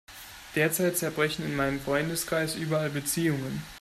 Derzeit zerbrechen in meinem Freundeskreis überall Beziehungen.